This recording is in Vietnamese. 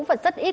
và rất ít